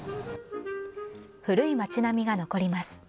古い町並みが残ります。